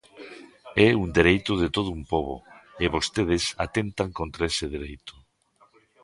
É un dereito de todo un pobo, e vostedes atentan contra ese dereito.